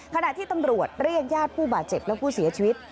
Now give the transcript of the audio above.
ขณะที่ตำรวจเรียกญาติผู้บาดเจ็บและผู้เสียชีวิต